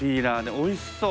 おいしそう！